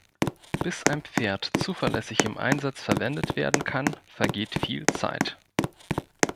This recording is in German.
Bis ein Pferd zuverlässig im Einsatz verwendet werden kann, vergeht viel Zeit.